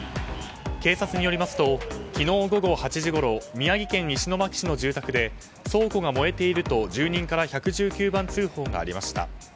警察によりますと昨日午後８時ごろ宮城県石巻市の住宅で倉庫が燃えていると住人から１１９番通報がありました。